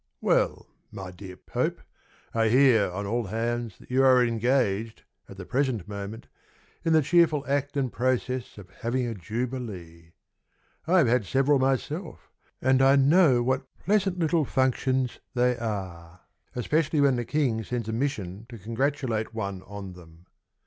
Well, my dear Pope, I hear on all hands That you are engaged, at the present moment, In the cheerful act and process Of having a Jubilee. I have had several myself And I know what pleasant little functions they are, Especially when the King Sends a mission to congratulate one on them.